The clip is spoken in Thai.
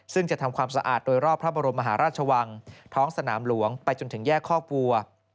ซึ่งจะทำความสะอาดโดยรอบพระบรมมหาราชวังท้องสนามหลวงไปจนถึงแยกคอกบัว